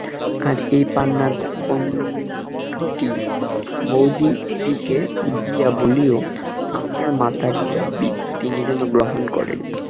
আর এই পান্নার কন্ঠীটি বউদিদিকে দিয়া বলিয়ো, আমার মাথার দিব্য, তিনি যেন গ্রহণ করেন।